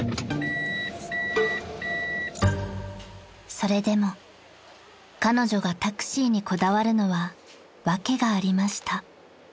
［それでも彼女がタクシーにこだわるのは訳がありました］